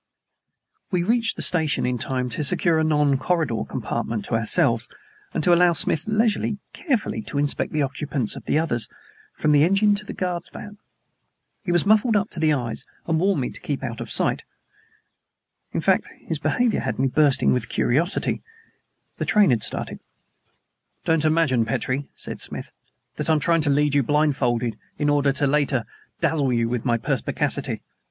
We reached the station in time to secure a non corridor compartment to ourselves, and to allow Smith leisure carefully to inspect the occupants of all the others, from the engine to the guard's van. He was muffled up to the eyes, and he warned me to keep out of sight in the corner of the compartment. In fact, his behavior had me bursting with curiosity. The train having started: "Don't imagine, Petrie," said Smith "that I am trying to lead you blindfolded in order later to dazzle you with my perspicacity.